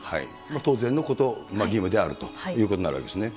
当然のこと、義務であるということになるわけですね。